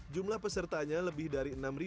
jumlah pesertanya lebih dari enam